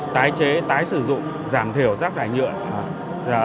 tái chế tái sử dụng giảm thiểu rác thải nhựa